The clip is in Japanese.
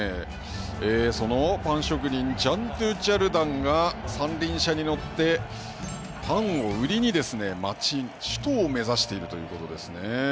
そのパン職人が三輪車に乗ってパンを売りに、首都を目指しているということですね。